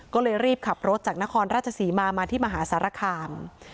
ก็เลยรีบขับรถจากนครราชศรีมามาที่มหาสารคาม